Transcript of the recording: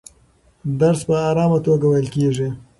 درس په ارامه توګه ویل کېږي.